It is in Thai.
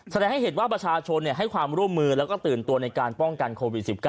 แสดงให้เห็นว่าประชาชนให้ความร่วมมือแล้วก็ตื่นตัวในการป้องกันโควิด๑๙